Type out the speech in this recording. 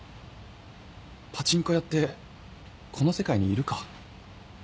パチンコ屋ってこの世界にいるか？